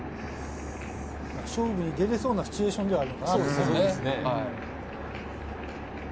勝負に出れそうなシチュエーションではある。